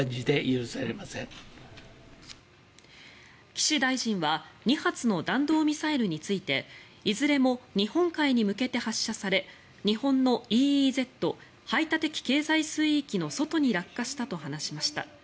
岸大臣は２発の弾道ミサイルについていずれも日本海に向けて発射され日本のＥＥＺ・排他的経済水域の外に落下したと話しました。